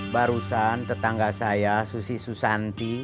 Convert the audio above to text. barusan tetangga saya susi susanti